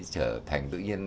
trở thành tự nhiên